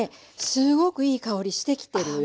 すごくいい香りしてきてるよ。